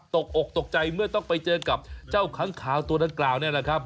ตกอกตกใจเมื่อต้องไปเจอกับเจ้าค้างขาวตัวดังกล่าวเนี่ยนะครับ